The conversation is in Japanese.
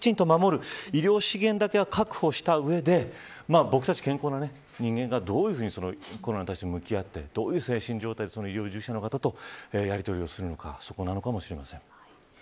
ここをきちんと守る医療資源だけは確保した上で僕たち健康な人間がどういうふうにコロナと向き合ってどういう精神状態で医療従事者の方とやりとりをするのかそこなのかもしれません。